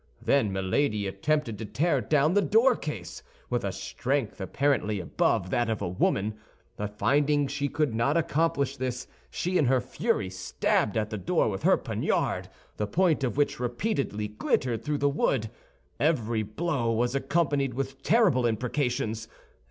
Then Milady attempted to tear down the doorcase, with a strength apparently above that of a woman; but finding she could not accomplish this, she in her fury stabbed at the door with her poniard, the point of which repeatedly glittered through the wood. Every blow was accompanied with terrible imprecations.